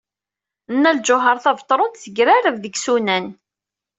Nna Lǧuheṛ Tabetṛunt tegrareb deg yisunan.